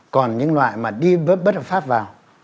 còn những loại mà đi bất hợp pháp vào